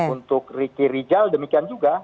untuk ricky rijal demikian juga